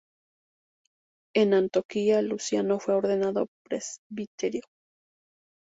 En Antioquía, Luciano fue ordenado presbítero.